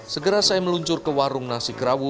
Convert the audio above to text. segera saya meluncur ke warung nasi kerawu